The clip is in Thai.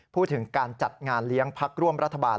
พูดถึงการจัดงานเลี้ยงพักร่วมรัฐบาล